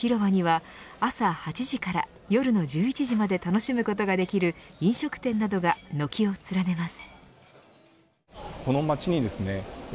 地下鉄の駅からつながる広場には朝８時から夜の１１時まで楽しむことができる飲食店などが軒を連ねます。